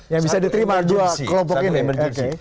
yang bisa diterima dua kelompok ini